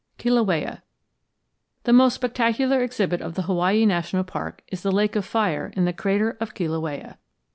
KILAUEA The most spectacular exhibit of the Hawaii National Park is the lake of fire in the crater of Kilauea.